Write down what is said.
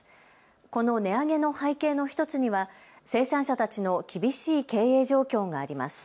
この値上げの背景の１つには生産者たちの厳しい経営状況があります。